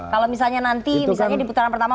kalau misalnya nanti misalnya di putaran pertama